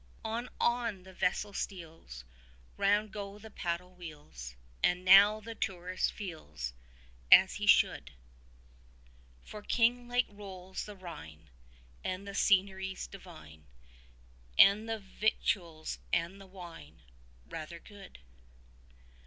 On, on the vessel steals; Round go the paddle wheels, And now the tourist feels As he should; 40 For king like rolls the Rhine, And the scenery's divine, And the victuals and the wine Rather good.